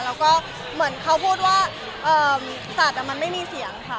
และพูดว่าสัตว์ไม่มีเสียง